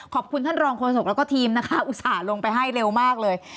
ขอบคุณท่านรองโฆษกแล้วก็ทีมนะคะอุตส่าห์ลงไปให้เร็วมากเลย